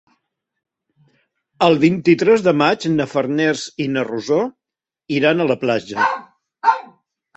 El vint-i-tres de maig na Farners i na Rosó iran a la platja.